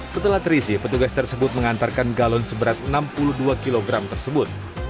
setelah terisi petugas tersebut mengantarkan galon seberat enam puluh dua kg tersebut